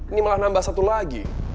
ini malah nambah satu lagi